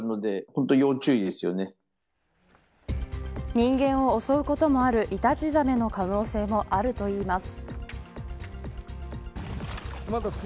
人間を襲うこともあるイタチザメの可能性もあるといいます。